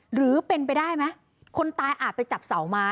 หรือเป็นไปได้ไหมคนตายอาจไปจับเสาม้า